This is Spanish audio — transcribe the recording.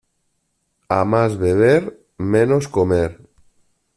A más beber, menos comer.